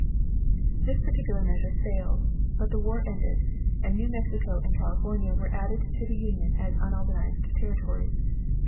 This particular measure failed, but the war ended, and New Mexico and California were added to the Union as unorganized Territories.